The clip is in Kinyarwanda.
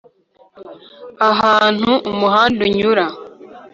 ahantu umuhanda unyura.